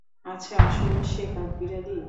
আচ্ছা, আসলে সে কাঠবিড়ালী।